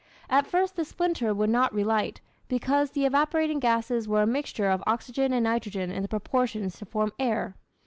At first the splinter would not relight, because the evaporating gases were a mixture of oxygen and nitrogen in the proportions to form air.